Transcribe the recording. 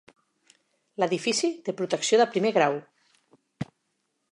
L'edifici té protecció de primer grau.